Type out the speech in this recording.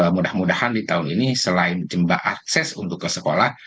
mudah mudahan di tahun ini selain jumlah akses untuk ke sekolah